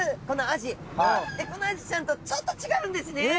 このアジちゃんとちょっと違うんですね。